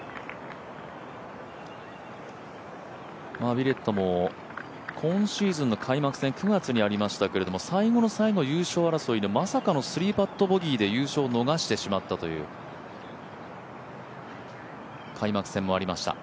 ウィレットも今シーズンの開幕戦、９月にありましたけど最後の最後、優勝争いでまさかの３パットボギーで優勝を逃してしまったという開幕戦もありました。